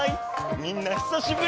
みんなひさしぶり！